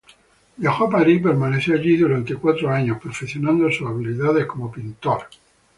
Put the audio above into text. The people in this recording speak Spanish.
Viajó a París y permaneció allí durante cuatro años, perfeccionado sus habilidades como pintor.